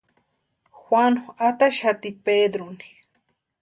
Juanu ataxati Pedruni.